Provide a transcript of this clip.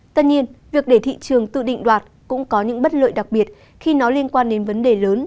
tất nhiên việc để thị trường tự định đoạt cũng có những bất lợi đặc biệt khi nó liên quan đến vấn đề lớn